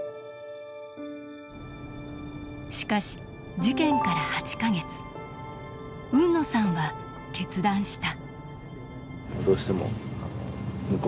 しかし事件から８か月海野さんは決断した。